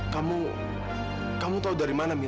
kamu kamu tahu dari mana nih